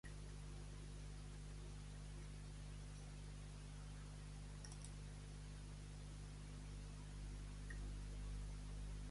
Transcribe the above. Però què desitja que digués algun dia?